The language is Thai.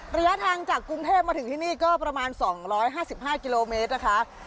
ระยะทางจากกรุงเทพมาถึงที่นี่ก็ประมาณ๒๕๕กิโลเมตรนะคะ